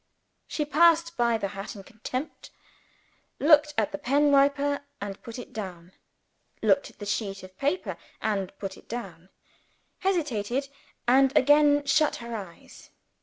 She passed by the hat in contempt; looked at the pen wiper, and put it down; looked at the sheet of paper, and put it down; hesitated and again shut her eyes.